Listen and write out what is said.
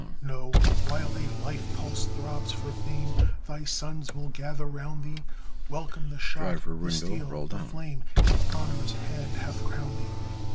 No! while a life pulse throbs for fame, Thy sons will gather round thee, Welcome the shot, the steel, the flame, If honor's hand hath crowned thee.